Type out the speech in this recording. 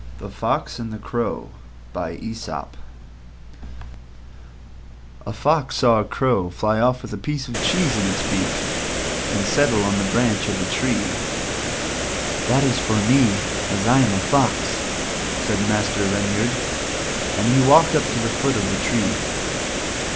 THE FOX AND THE CROW A fox once saw a Crow fly off with a piece of cheese in its beak and settle on a branch of a tree. "That's for me, as I am a Fox," said Master Reynard, and he walked up to the foot of the tree.